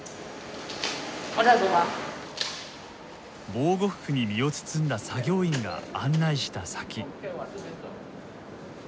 防護服に身を包んだ作業員が案内した先。